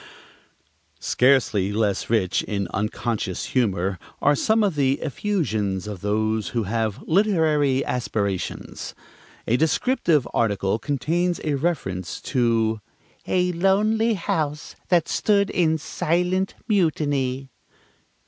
Scarcely less rich in unconscious humor are some of the effusions of those who have literary aspirations. A descriptive article contains a reference to "a lonely house that stood in silent mutiny."